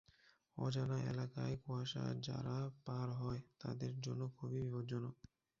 অজানা এলাকায় কুয়াশা যারা পার হয় তাদের জন্য খুবই বিপদজনক।